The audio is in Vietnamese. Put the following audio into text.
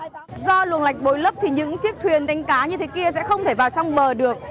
do luồng lạch bồi lấp thì những chiếc thuyền đánh cá như thế kia sẽ không thể vào trong bờ được